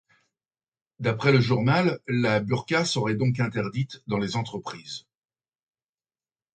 D'après le journal, la burqa serait donc interdite dans les entreprises.